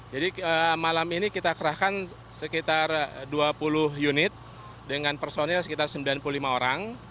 jadi malam ini kita kerahkan sekitar dua puluh unit dengan personil sekitar sembilan puluh lima orang